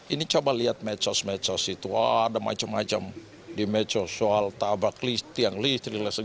ini coba lihat mecos mecos itu wah ada macem macem di mecos soal tabak listri